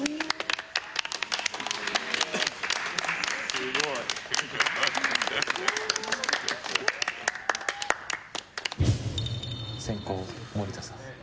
・すごい・・先攻森田さん。